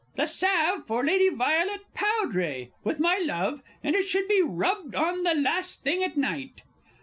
The salve for Lady Violet Powdray, with my love, and it should be rubbed on the last thing at night.